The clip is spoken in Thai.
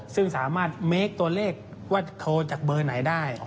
ซึ่งสามารถเมคตัวเลขว่าโทรจากเบอร์ไหนได้